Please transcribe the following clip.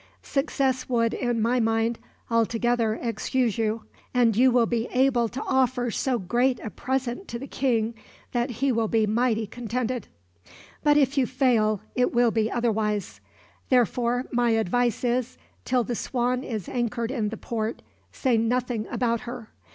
Success would, in my mind, altogether excuse you; and you will be able to offer so great a present to the king that he will be mighty contented. But if you fail, it will be otherwise. Therefore my advice is, till the Swan is anchored in the port say nothing about her.